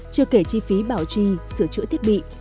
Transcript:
chưa kể chi phí bảo trì sửa chữa thiết bị